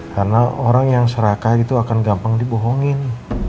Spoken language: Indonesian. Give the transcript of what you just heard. karena orang yang serakah itu akan gampang dibohongin